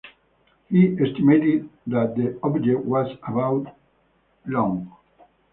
He estimated that the object was about long.